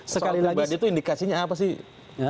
secara pribadi itu indikasinya apa sih